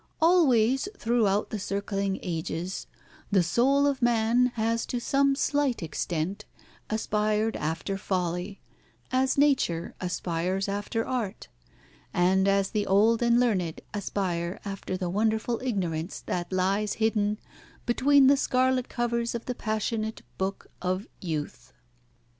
Always throughout the circling ages the soul of man has to some slight extent aspired after folly, as Nature aspires after Art, and as the old and learned aspire after the wonderful ignorance that lies hidden between the scarlet covers of the passionate book of youth.